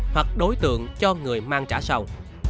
hoặc đối tượng cho người mang trả sầu